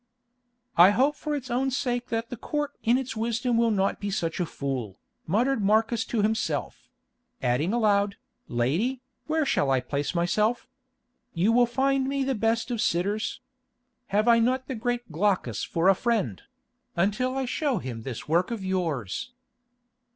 "I hope for its own sake that the Court in its wisdom will not be such a fool," muttered Marcus to himself; adding aloud, "Lady, where shall I place myself? You will find me the best of sitters. Have I not the great Glaucus for a friend—until I show him this work of yours?"